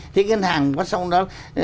thế ngân hàng nó xong đó